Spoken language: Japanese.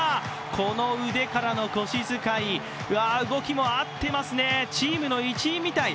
この腕からの腰使い、うわ、動きも合っていますね、チームの一員みたい。